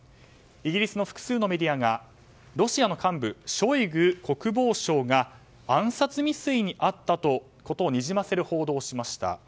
イギリスの複数のメディアがロシアの幹部、ショイグ国防相が暗殺未遂に遭ったことをにじませる報道をしました。